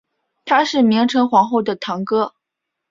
他是明成皇后的堂哥。